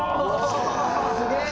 すげえ！